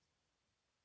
saya ingin mencampikan